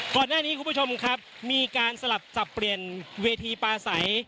คุณผู้ชมครับมีการสลับสับเปลี่ยนเวทีปลาใส